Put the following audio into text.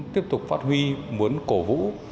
tiếp tục phát huy muốn cổ vũ